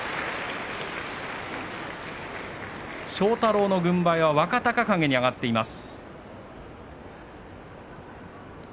庄太郎の軍配は若隆景に上がっています。